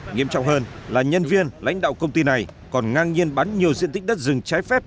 nghiêm trọng hơn là nhân viên lãnh đạo công ty này còn ngang nhiên bán nhiều diện tích đất rừng trái phép